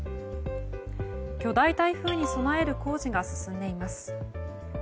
巨大台風に備える工事が進んでいます。